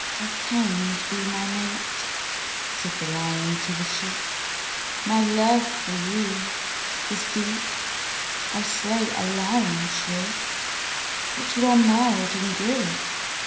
"O come and be my mate!" said the Lion to the Sheep; "My love for you is deep! I slay, a Lion should, But you are mild and good!"